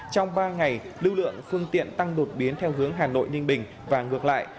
trong ba ngày lưu lượng phương tiện tăng đột biến theo hướng hà nội ninh bình và ngược lại